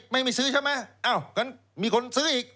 ไม่ซื้อใช่ไหมอ้าวงั้นมีคนซื้ออีก